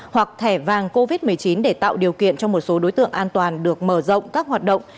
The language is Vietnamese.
hoặc thẻ vàng covid một mươi chín để tạo điều kiện cho một số đối tượng an toàn được mở rộng các hoạt động